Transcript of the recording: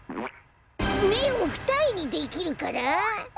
めをふたえにできるから？